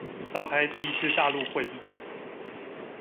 召開第一次大陸會議